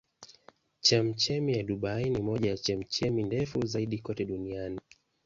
Chemchemi ya Dubai ni moja ya chemchemi ndefu zaidi kote duniani.